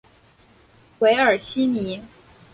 韦尔西尼。